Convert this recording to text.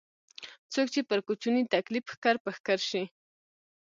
څوک چې پر کوچني تکليف ښکر په ښکر شي.